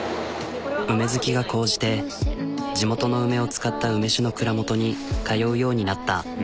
梅好きが高じて地元の梅を使った梅酒の蔵元に通うようになった。